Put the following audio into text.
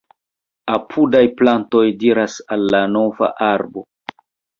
Apudaj plantoj diras al la nova arbo: